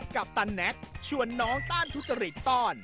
ปัปตันแน็กชวนน้องต้านทุจริตต้อน